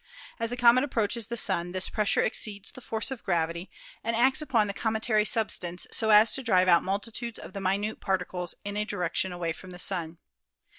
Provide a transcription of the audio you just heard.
As the comet approaches the Sun this pressure exceeds the force of gravity and acts upon the cometary substance so as to drive out multitudes of the minute particles in a direction away from the Sun.